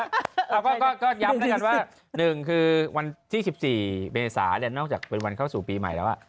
เอาก็ก็ก็ย้ำด้วยกันว่าหนึ่งคือวันที่สิบสี่เมษายนเนาะจากเป็นวันเข้าสู่ปีใหม่แล้วอ่ะ